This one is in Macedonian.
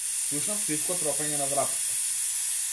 Слушнав тивко тропање на вратата.